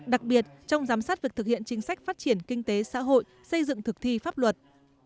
đặc biệt trong giám sát việc thực hiện chính sách phát triển kinh tế xã hội xây dựng thực thi pháp luật